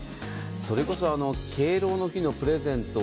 それこそ、敬老の日のプレゼント